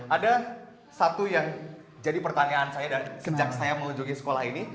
ada satu yang jadi pertanyaan saya dan sejak saya mengunjungi sekolah ini